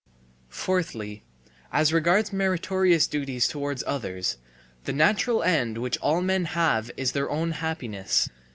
Fourthly, as regards meritorious duties towards others: The natural end which all men have is their own happiness.